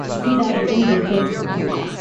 He died in Basel.